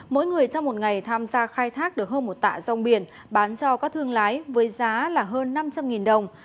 mỗi người trong một ngày tham gia khai thác được hơn một tạ rong biển bán cho các thương lái với giá là hơn năm trăm linh đồng